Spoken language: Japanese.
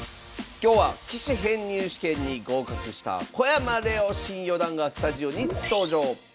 今日は棋士編入試験に合格した小山怜央新四段がスタジオに登場。